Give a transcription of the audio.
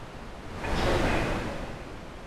کفش مردانه